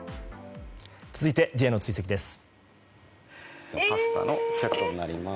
続いてＪの追跡です。